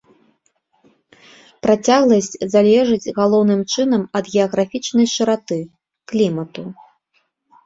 Працягласць залежыць галоўным чынам ад геаграфічнай шыраты, клімату.